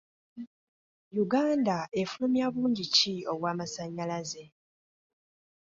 Uganda efulumya bungi ki obw'amasanyalaze?